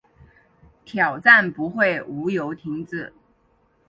挑战不会无由停止